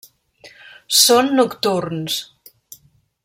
Són nocturns.